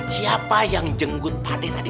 siapa yang jenggut pade tadi